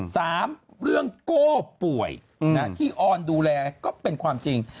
สามเรื่องโก้ป่วยที่ออนดูแลก็เป็นความจริง